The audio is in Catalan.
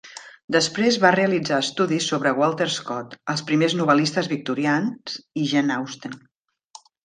Després va realitzar estudis sobre Walter Scott, els primers novel·listes victorians i Jane Austen.